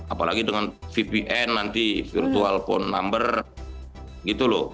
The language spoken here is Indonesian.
apalagi dengan vpn nanti virtual phone number gitu loh